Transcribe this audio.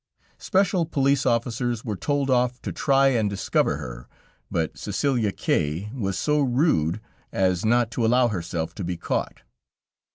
Special police officers were told off to try and discover her, but Cæcelia K was so rude as not to allow herself to be caught.